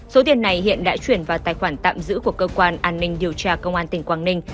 số tiền này hiện đã chuyển vào tài khoản tạm giữ của cơ quan an ninh điều tra công an tỉnh quảng ninh